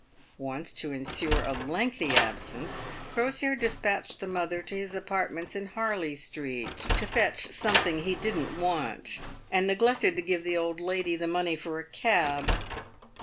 Once, to ensure a lengthy absence, Crosier despatched the mother to his apartments in Harley street to fetch something he didn't want, and neglected to give the old lady the money for a cab.